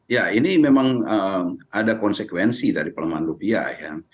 ya ini memang ada konsekuensi dari pelemahan rupiah ya